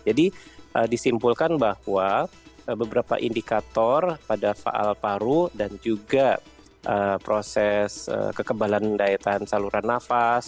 jadi disimpulkan bahwa beberapa indikator pada faal paru dan juga proses kekebalan daya tahan saluran nafas